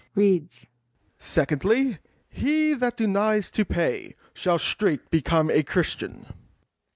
[reads] SECONDLY, HE THAT DENIES TO PAY, SHALL STRAIGHT BECOME A CHRISTIAN.